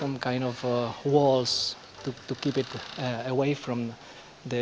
untuk menjaga kebukaan dari perumahan